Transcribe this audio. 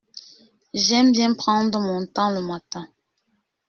J'aime bien prendre mon temps le matin.